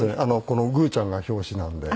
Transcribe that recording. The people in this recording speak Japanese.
このぐーちゃんが表紙なんで。